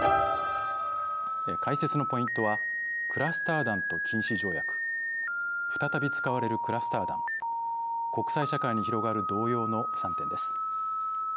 解説のポイントはクラスター弾と禁止条約再び使われるクラスター弾国際社会に広がる動揺の３点です。